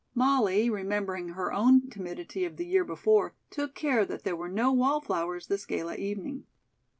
Molly, remembering her own timidity of the year before, took care that there were no wall flowers this gala evening.